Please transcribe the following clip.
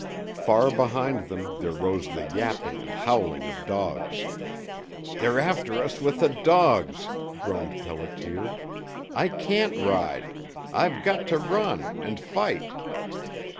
Far behind them there rose the yapping and howling of dogs. "They're after us with the dogs!" groaned Pelliter. "I can't ride. I've got to run and fight!"